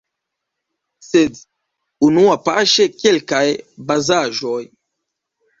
Sed unuapaŝe kelkaj bazaĵoj.